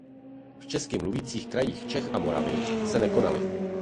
V česky mluvících krajích Čech a Moravy se nekonaly.